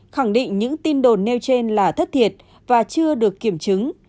khẳng định những tin đồn nêu trên là thất thiệt và chưa được kiểm chứng